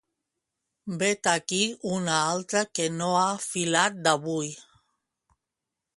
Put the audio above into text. Vet aquí una altra que no ha filat d'avui.